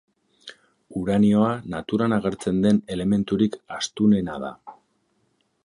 Uranioa naturan agertzen den elementurik astunena da.